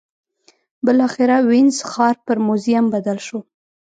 بالاخره وینز ښار پر موزیم بدل شو